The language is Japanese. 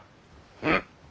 うん。